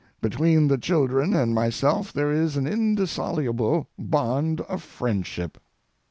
Between the children and myself there is an indissoluble bond of friendship.